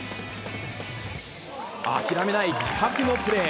諦めない気迫のプレー。